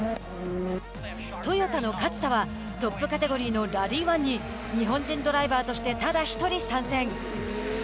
トヨタの勝田はトップカテゴリーのラリー１に日本人ドライバーとしてただ１人参戦。